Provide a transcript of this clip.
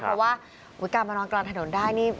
เพราะว่ากำลังมากลางถนนได้นี่